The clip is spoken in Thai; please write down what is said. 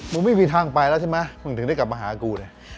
ไม่มีทางไปแล้วใช่ไหมมึงถึงได้กลับมาหากูเลย